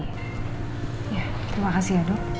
ya terima kasih ya dok